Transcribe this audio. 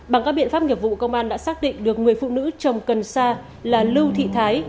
bằng các biện pháp nghiệp vụ công an đã xác định được người phụ nữ chồng cần sa là lưu thị thái